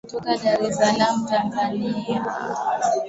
ikitangaza kutoka dar es salaam tanzania